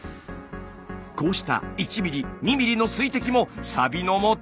こうした１ミリ２ミリの水滴もサビのもと！